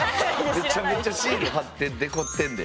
めちゃめちゃシール貼ってデコってんで。